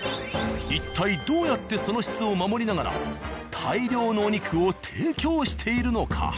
一体どうやってその質を守りながら大量のお肉を提供しているのか。